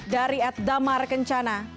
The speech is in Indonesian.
dari at damar kencana